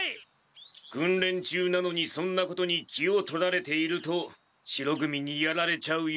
くんれん中なのにそんなことに気を取られていると白組にやられちゃうよ。